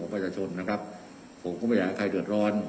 ประชาชนนะครับผมก็ไม่อยากให้ใครเดือดร้อน